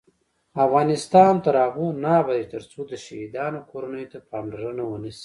افغانستان تر هغو نه ابادیږي، ترڅو د شهیدانو کورنیو ته پاملرنه ونشي.